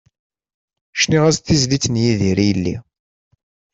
Cniɣ-as-d tizlit n Yidir i yelli.